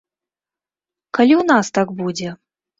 Калі ў нас так будзе?